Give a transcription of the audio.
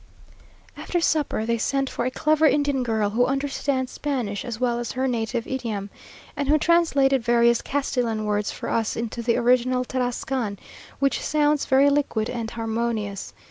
After supper they sent for a clever Indian girl, who understands Spanish as well as her native idiom, and who translated various Castilian words for us into the original Tarrascan, which sounds very liquid and harmonious.